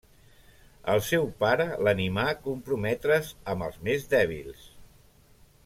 El seu pare l'animà comprometre's amb els més dèbils.